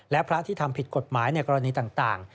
และพระที่ทำผิดกฎหมายในกรณีต่าง